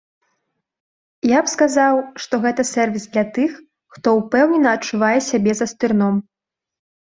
Я б сказаў, што гэта сэрвіс для тых, хто ўпэўнена адчувае сябе за стырном.